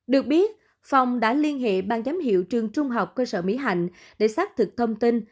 được biết phòng đã liên hệ ban giám hiệu trường trung học cơ sở mỹ hạnh để xác thực thông tin